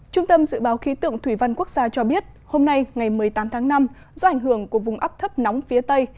trung tâm dự báo khí tượng thủy văn quốc gia cho biết hôm nay ngày một mươi tám tháng năm do ảnh hưởng của vùng áp thấp nóng phía tây